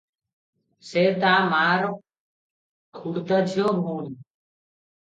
ସେ ତା ମାଆର ଖୁଡୁତା ଝିଅ ଭଉଣୀ ।